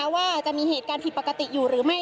ว่าจะมีเหตุการณ์ผิดปกติอยู่หรือไม่